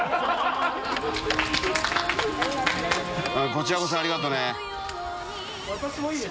・こちらこそありがとね。